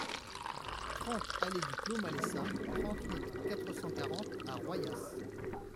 trente allée du Clos Maleissa, trente-huit, quatre cent quarante à Royas